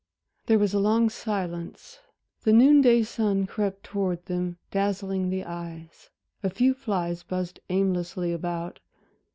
There was a long silence. The noon day sun crept towards them, dazzling the eyes, a few flies buzzed aimlessly about.